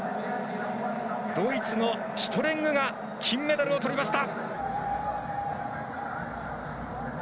ドイツのシュトレングが金メダルをとりました。